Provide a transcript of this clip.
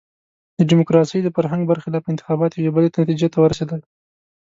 د ډیموکراسۍ د فرهنګ برخلاف انتخابات یوې بلې نتیجې ته ورسېدل.